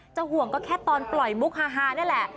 ห่วงก็แค่ตอนปล่อยมุกฮานี่แหละ